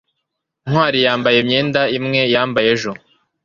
ntwali yambaye imyenda imwe yambaye ejo